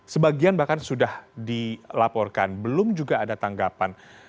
sebagian bahkan sudah dilaporkan belum juga ada tanggapan